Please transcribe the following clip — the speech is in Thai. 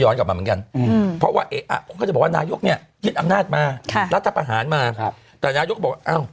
ลองไปฟังเสียงนายกกัน